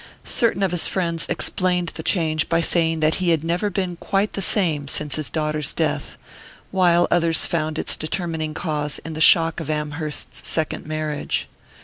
Certain of his friends explained the change by saying that he had never been "quite the same" since his daughter's death; while others found its determining cause in the shock of Amherst's second marriage.